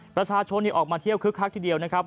ประชาชนออกมาเที่ยวคึกคักทีเดียวนะครับ